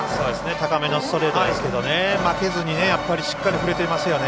高めのストレートですけど負けずにしっかり振れてますよね。